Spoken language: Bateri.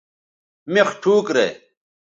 مِخ ٹھوک رے